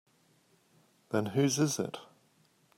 Then whose is it?